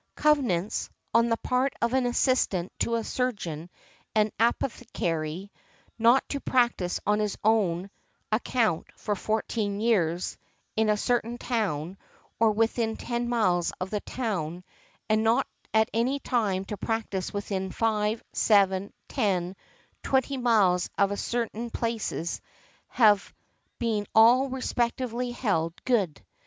Covenants, on the part of an assistant to a surgeon and apothecary, not to practise on his own account for fourteen years, in a certain town, or within ten miles of the town; and not at any time to practise within five, seven, ten, twenty miles of certain places, have been all respectively |193| held good .